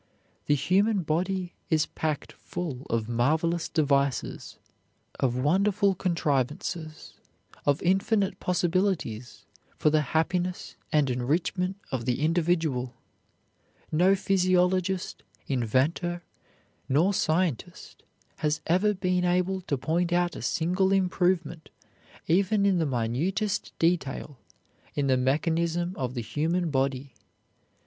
The human body is packed full of marvelous devices, of wonderful contrivances, of infinite possibilities for the happiness and enrichment of the individual. No physiologist, inventor, nor scientist has ever been able to point out a single improvement, even in the minutest detail, in the mechanism of the human body.